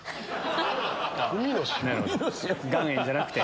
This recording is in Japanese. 岩塩じゃなくて。